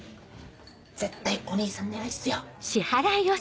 絶対お義兄さん狙いっすよ。